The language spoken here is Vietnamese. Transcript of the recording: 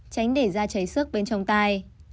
tránh để da cháy sức bên trong tay